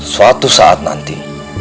suatu saat nanti